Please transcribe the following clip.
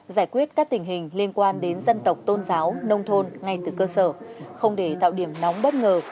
giải quyết các tình hình liên quan đến dân tộc tôn giáo nông thôn ngay từ cơ sở không để tạo điểm nóng bất ngờ